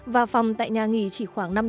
và phòng tại nhà nghỉ